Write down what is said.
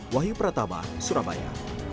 wahyu prataba surabaya